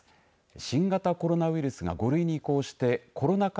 新型コロナウイルスが５類に移行してコロナ禍